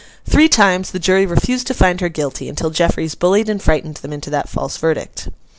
Three times the jury refused to find her guilty, until Jeffreys bullied and frightened them into that false verdict.